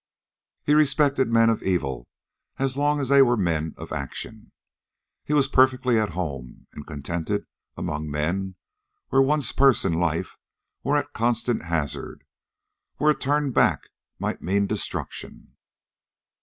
He respected men of evil as long as they were men of action. He was perfectly at home and contented among men, where one's purse and life were at constant hazard, where a turned back might mean destruction.